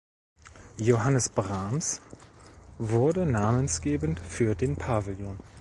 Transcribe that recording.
Johannes Brahms wurde namensgebend für den Pavillon.